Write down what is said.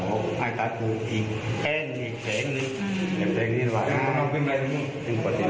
เอาให้ตาตรูอีกแห้งอีกแข็งนิด